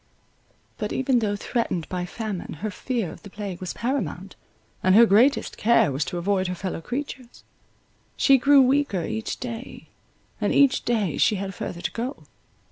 But, even though threatened by famine, her fear of the plague was paramount; and her greatest care was to avoid her fellow creatures. She grew weaker each day, and each day she had further to go.